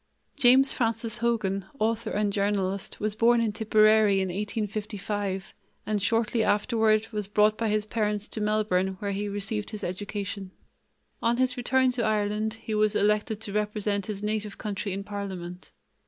James Francis Hogan, author and journalist, was born in Tipperary in 1855 and shortly afterward was brought by his parents to Melbourne where he received his education. On his return to Ireland he was elected to represent his native county in parliament.